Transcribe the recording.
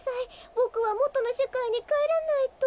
ボクはもとのせかいにかえらないと。